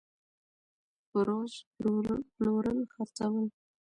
فروش √ پلورل خرڅول